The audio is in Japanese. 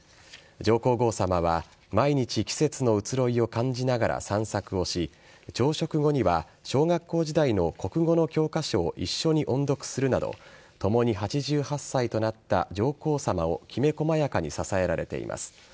上皇后さまは毎日季節の移ろいを感じながら散策をし朝食後には小学校時代の国語の教科書を一緒に音読するなど共に８８歳となった上皇さまをきめ細やかに支えられています。